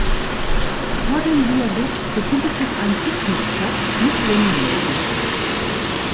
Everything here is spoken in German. Vor dem Viadukt befindet sich ein Picknickplatz mit Wendemöglichkeit.